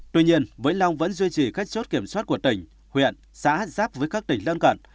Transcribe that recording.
tuy nhiên vĩnh long vẫn duy trì các chốt kiểm soát của tỉnh huyện xã giáp với các tỉnh lân cận